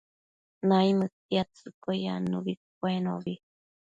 naimëdtiadtsëcquio yannubi cuenobi